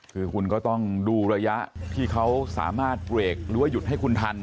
คือคุณก็ต้องดูระยะที่เขาสามารถเบรกหรือว่าหยุดให้คุณทัน